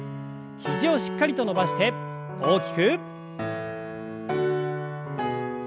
肘をしっかりと伸ばして大きく。